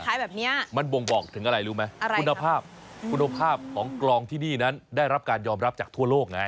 แบบเนี้ยมันบ่งบอกถึงอะไรรู้ไหมอะไรคุณภาพคุณภาพของกลองที่นี่นั้นได้รับการยอมรับจากทั่วโลกไง